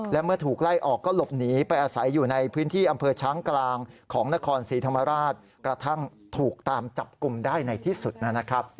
และเมื่อถูกไล่ออกก็หลบหนีไปอาศัยอยู่ในพื้นที่อำเภอช้างกลางของนครศรีธรรมราชกระทั่งถูกตามจับกลุ่มได้ในที่สุดนะครับ